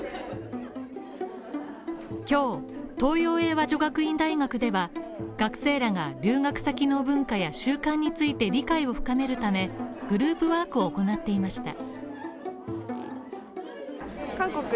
今日、東洋英和女学院大学では学生らが留学先の文化や習慣について理解を深めるため、グループワークを行っていました。